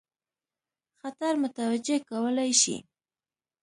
خطر متوجه کولای شي.